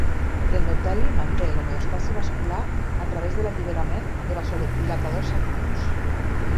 L'endoteli manté l'homeòstasi vascular a través de l'alliberament de vasodilatadors actius.